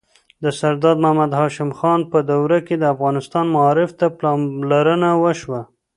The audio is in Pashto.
د سردار محمد هاشم خان په دوره کې د افغانستان معارف ته پاملرنه وشوه.